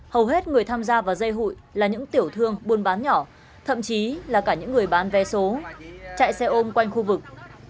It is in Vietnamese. hầu hết người tham gia vào dây hụi là những tiểu thương buôn bán nhỏ thậm chí là cả những người bán vé số chạy xe ôm quanh khu vực